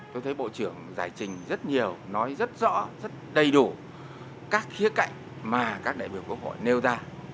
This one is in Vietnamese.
tôi thấy bộ trưởng giải trình rất nhiều nói rất rõ rất đầy đủ các khía cạnh mà các đại biểu quốc hội nêu ra